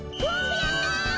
やった！